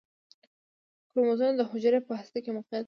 کروموزومونه د حجرې په هسته کې موقعیت لري